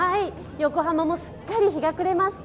横浜もすっかり日が暮れました